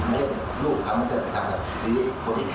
แบบพูดแบบนี้ทำอะไรเด็ก